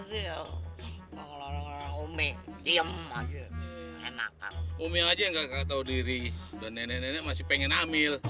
sih omek diam aja enakan umi aja nggak tahu diri dan nenek masih pengen amil